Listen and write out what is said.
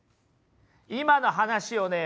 今の話をね